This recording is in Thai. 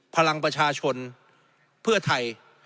พลังประชาชนเพื่อไทย